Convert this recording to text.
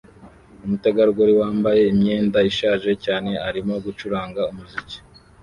Umutegarugori wambaye imyenda ishaje cyane arimo gucuranga umuziki